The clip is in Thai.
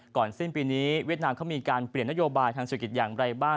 ก่อนสิ้นปีนี้เวียดนามก็มีการเปลี่ยนนโยบายทางศึกษ์อย่างไรบ้าง